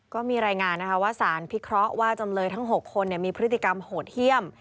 ก็มีรายงานนะคะว่าสารพิเคราะห์ว่าจำเลยทั้ง๖คนมีพฤติกรรมโหดเยี่ยม